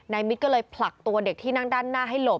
มิตรก็เลยผลักตัวเด็กที่นั่งด้านหน้าให้หลบ